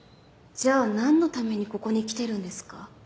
じゃあなんのためにここに来てるんですか？